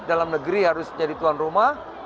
dalam negeri harus jadi tuan rumah